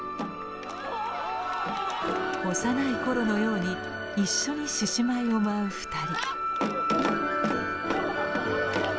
幼い頃のように一緒に獅子舞を舞う２人。